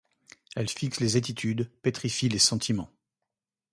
Elle fixe les attitudes, pétrifie les sentiments.